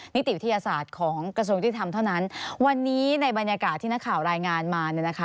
นิติวิทยาศาสตร์ของกระทรวงยุติธรรมเท่านั้นวันนี้ในบรรยากาศที่นักข่าวรายงานมาเนี่ยนะคะ